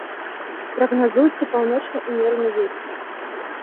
Прагназуецца паўночны ўмераны вецер.